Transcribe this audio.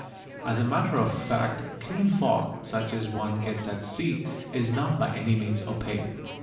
As a matter of fact clean fog, such as one gets at sea, is not by any means opaque.